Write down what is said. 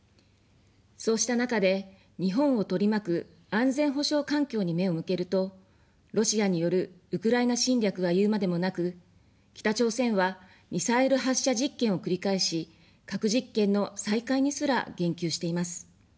そうした中で、日本を取り巻く安全保障環境に目を向けると、ロシアによるウクライナ侵略は言うまでもなく、北朝鮮はミサイル発射実験を繰り返し、核実験の再開にすら言及しています。